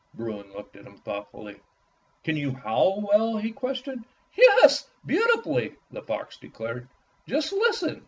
Bruin looked at him thoughtfully. "Can you howl well?" he questioned. "Yes, beautifully," the fox declared. 136 Fairy Tale Foxes "Just listen."